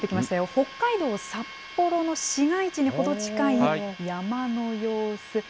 北海道札幌の市街地に程近い山の様子。